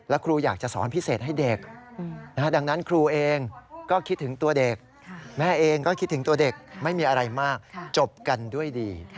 แม่เองก็คิดถึงตัวเด็กไม่มีอะไรมากจบกันด้วยดี